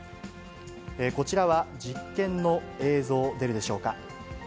こちらは、実験の映像、出るでしょうか。